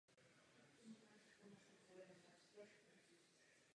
Ekonomika vesnice je založena na podnikání a turistických službách.